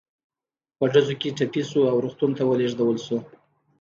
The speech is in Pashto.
په ډزو کې ټپي شو او روغتون ته ولېږدول شو.